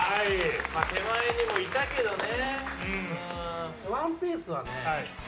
手前にもいたけどね。